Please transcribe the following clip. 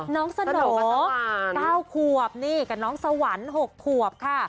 น้องสโดกับสวรรค์๙ขวบนี่กับน้องสวรรค์๖ขวบค่ะ